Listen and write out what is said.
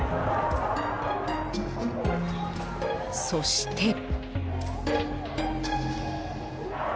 そして。